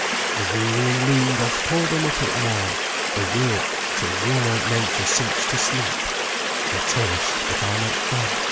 The wearying loom doth call them up at morn, They work till worn out nature sinks to sleep, They taste, but are not fed.